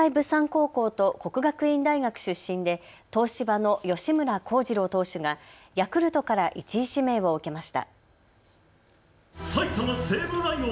高校と国学院大学出身で東芝の吉村貢司郎投手がヤクルトから１位指名を受けました。